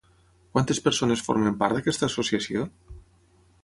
Quantes persones formen part d'aquesta associació?